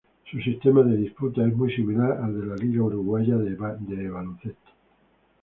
Su sistema de disputa es muy similar al de la Liga Uruguaya de Básquetbol.